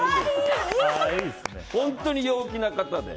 本当に陽気な方で。